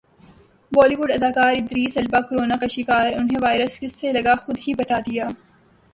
ہالی ووڈ اداکارادریس Alba corona کا شکارانہیں وائرس کس سے لگاخودہی بتادیا